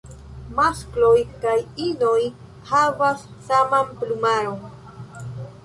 Maskloj kaj inoj havas saman plumaron.